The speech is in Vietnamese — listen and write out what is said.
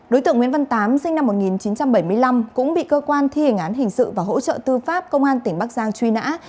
đối tượng nguyễn văn tám sinh năm một nghìn chín trăm bảy mươi năm cũng bị cơ quan thi hình án hình sự và hỗ trợ tư pháp công an tỉnh bắc giang truy nã